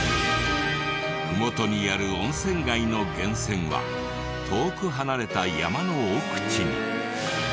ふもとにある温泉街の源泉は遠く離れた山の奥地に。